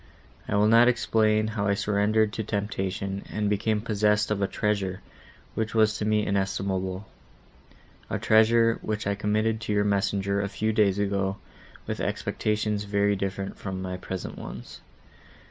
I will not explain how I surrendered to temptation, and became possessed of a treasure, which was to me inestimable; a treasure, which I committed to your messenger, a few days ago, with expectations very different from my present ones.